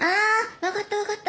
分かった分かった！